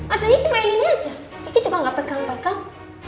adanya cuma ini aja kiki juga nggak pegang pegang